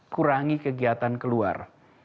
kurangi kegiatan keluar